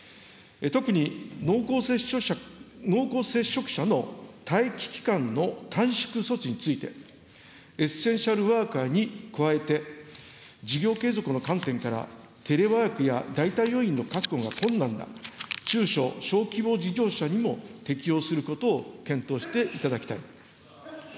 特に、濃厚接触者の待機期間の短縮措置について、エッセンシャルワーカーに加えて、事業継続の観点からテレワークや代替要員の確保が困難な、中小・小規模事業者にも適用することを検討していただきたい。